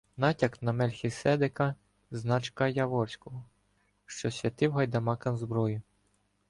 Натяк на Мельхіседека Значка-Яворського, що святив гайдамакам зброю.